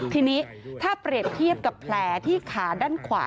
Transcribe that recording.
ทีนี้ถ้าเปรียบเทียบกับแผลที่ขาด้านขวา